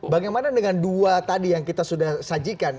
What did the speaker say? bagaimana dengan dua tadi yang kita sudah sajikan